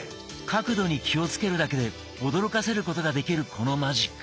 角度に気をつけるだけで驚かせることができるこのマジック。